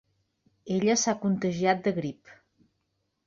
Ella s'ha contagiat de grip.